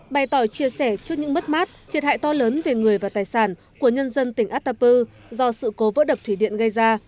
bày tỏ chia sẻ trước những mất mát thiệt hại to lớn về người và tài sản của nhân dân tỉnh atapu do sự cố vỡ đập thủy điện gây ra